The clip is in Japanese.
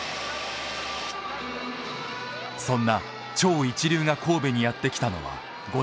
そんな超一流が神戸にやって来たのは５年前。